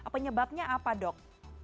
penyebabnya apa dok